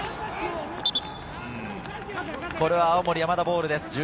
これは青森山田ボールです。